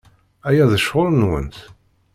Aya d ccɣel-nwent.